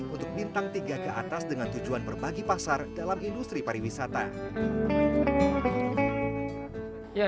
untuk bintang tiga ke atas dengan tujuan berbagi pasar dalam industri pariwisata